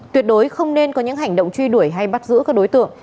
tuyệt đối không nên có những hành động truy đuổi hay bắt giữ các đối tượng